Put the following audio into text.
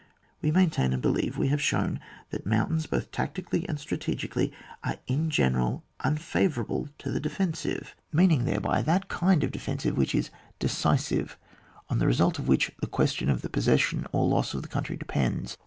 We maintain and believe we have shown, that mountains, both tactically and strategically, are in general un favourable to tiie defensive, meaning thereby, that kind of defensive which is decisive, on the result of which the ques tion of the possession or loss of the country depends.